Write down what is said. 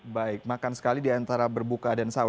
baik makan sekali di antara berbuka